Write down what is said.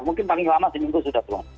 mungkin paling lama seminggu sudah turun